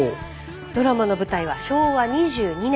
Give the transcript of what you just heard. ドラマの舞台は昭和２２年。